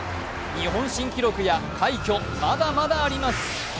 日本新記録や快挙、まだまだあります。